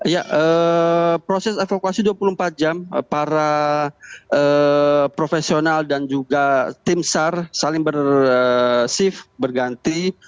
ya proses evakuasi dua puluh empat jam para profesional dan juga tim sar saling bersif berganti